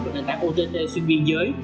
của nền tảng ott xuyên biên giới